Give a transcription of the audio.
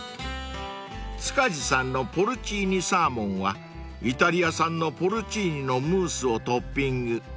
［塚地さんのポルチーニサーモンはイタリア産のポルチーニのムースをトッピング］